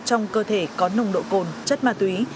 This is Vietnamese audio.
trong cơ thể có nồng độ cồn chất ma túy